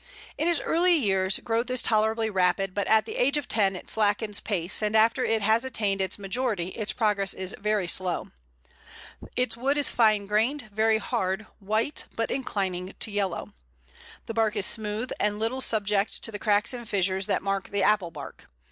In its early years growth is tolerably rapid, but at the age of ten it slackens pace, and after it has attained its majority its progress is very slow. Its wood is fine grained, very hard, white, but inclining to yellow. The bark is smooth, and little subject to the cracks and fissures that mark the Apple bark.